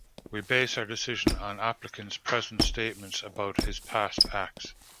We base our decision on applicant's present statements about his past acts.